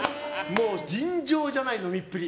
尋常じゃない飲みっぷり。